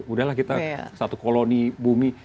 udah lah kita satu koloni bumi